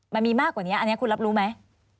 มันมีมากกว่านี้อันนี้คุณรับรู้ไหม